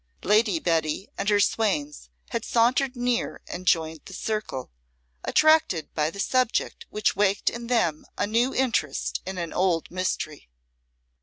Lady Betty and her swains had sauntered near and joined the circle, attracted by the subject which waked in them a new interest in an old mystery.